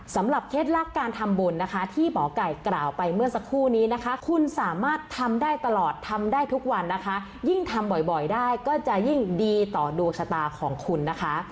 เคล็ดลับการทำบุญนะคะที่หมอไก่กล่าวไปเมื่อสักครู่นี้นะคะคุณสามารถทำได้ตลอดทำได้ทุกวันนะคะยิ่งทำบ่อยได้ก็จะยิ่งดีต่อดวงชะตาของคุณนะคะ